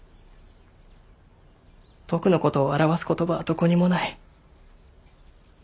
僕のことを表す言葉はどこにもない。